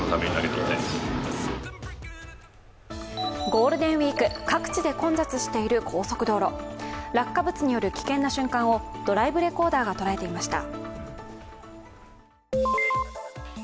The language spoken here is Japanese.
ゴールデンウイーク、各地で混雑している高速道路、落下物による危険な瞬間をドライブレコーダーが捉えていました。